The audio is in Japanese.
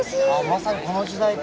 まさにこの時代か。